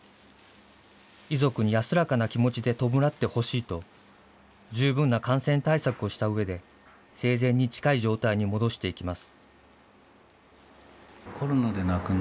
遺族に安らかな気持ちで弔ってほしいと、十分な感染対策をしたうえで、生前に近い状態に戻していきます。